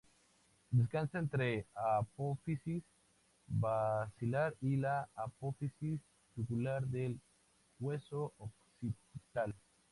Descansa entre la apófisis basilar y la apófisis yugular del hueso occipital.